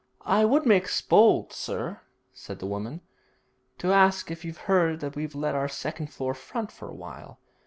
'I would make bold, sir,' said the woman, 'to ask if you've heard that we've let our second floor front for a while.